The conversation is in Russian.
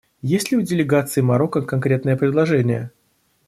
Есть ли у делегации Марокко конкретное предложение?